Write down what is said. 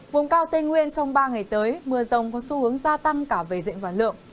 vùng cao tây nguyên trong ba ngày tới mưa rông có xu hướng gia tăng cả về diện và lượng